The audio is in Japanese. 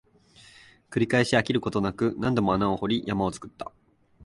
繰り返し、飽きることなく、何度も穴を掘り、山を作った